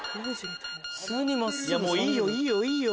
もういいよいいよいいよ。